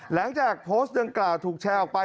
หลังจากโพสต์ดังกล่าวถูกแชร์ออกไป